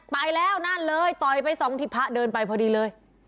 ไปแล้วนั่นเลยต่อยไปสองที่พระเดินไปพอดีเลย